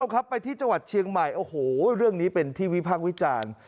ครับไปที่จังหวัดเชียงใหม่โอ้โหเรื่องนี้เป็นที่วิพากษ์วิจารณ์